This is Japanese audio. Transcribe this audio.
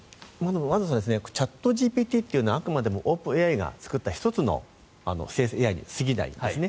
まずチャットＧＰＴというのはあくまでもオープンＡＩが作った１つの生成ＡＩに過ぎないんですね。